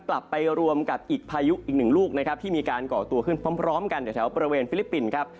กลับไปรวมกับอีกพายุอีกหนึ่งลูกนะครับที่มีการก่อตัวขึ้นพร้อมกันแถวบริเวณฟิลิปปินส์ครับ